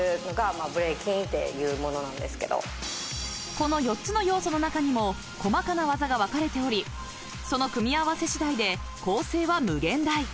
この４つの要素の中にも細かな技が分かれておりその組み合わせ次第で構成は無限大。